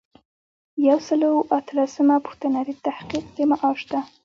یو سل او اتلسمه پوښتنه د تحقیق د معاش ده.